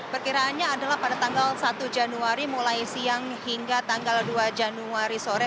perkiraannya adalah pada tanggal satu januari mulai siang hingga tanggal dua januari sore